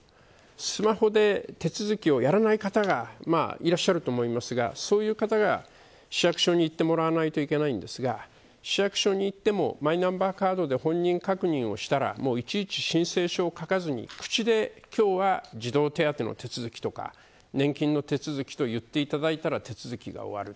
スマホで手続きをやらない方がいらっしゃると思いますがそういう方は市役所に行ってもらわないといけませんが市役所に行ってもマイナンバーカードで本人確認をしたらいちいち申請書を書かずに口で今日は児童手当の手続きとか年金の手続きと言っていただいたら手続きが終わる。